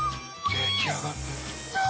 出来上がってる。